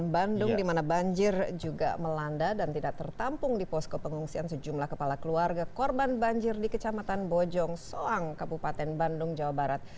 bandung di mana banjir juga melanda dan tidak tertampung di posko pengungsian sejumlah kepala keluarga korban banjir di kecamatan bojong soang kabupaten bandung jawa barat